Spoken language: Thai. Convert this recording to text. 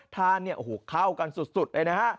ทานเนี่ยโอ้โหเข้ากันสุดเลยนะฮะ